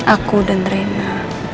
aku dan reina